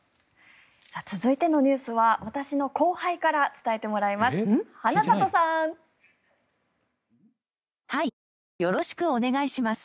続いてのニュースは私の後輩から伝えてもらいます。